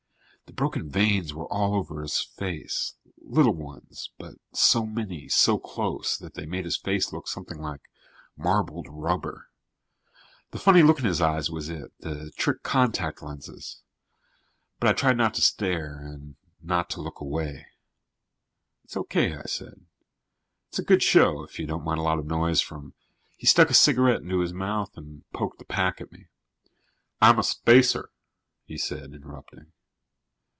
The broken veins were all over his face, little ones, but so many, so close, that they made his face look something like marbled rubber. The funny look in his eyes was it the trick contact lenses. But I tried not to stare and not to look away. "It's okay," I said. "It's a good show if you don't mind a lot of noise from " He stuck a cigarette into his mouth and poked the pack at me. "I'm a spacer," he said, interrupting.